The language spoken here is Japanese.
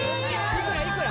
いくらいくら？